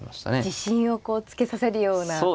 自信をつけさせるようなことを。